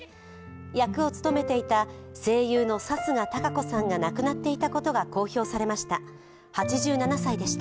役を務めていた声優の貴家堂子さんが亡くなっていたことが公表されました。